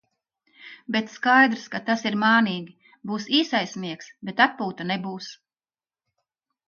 Bet skaidrs, ka tas ir mānīgi. Būs īsais miegs, bet atpūta nebūs.